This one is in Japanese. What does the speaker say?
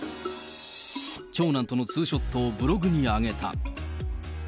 長男とのツーショットをブログに上げた。